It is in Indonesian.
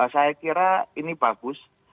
saya kira ini bagus